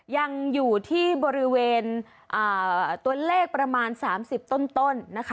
ยังอยู่ที่บริเวณตัวเลขประมาณ๓๐ต้นนะคะ